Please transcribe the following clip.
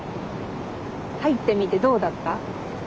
入ってみてどうだった？